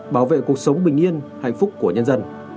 bảo vệ cuộc sống bình yên hạnh phúc của nhân dân